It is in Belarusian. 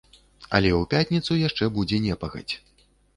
Але ў пятніцу яшчэ будзе непагадзь.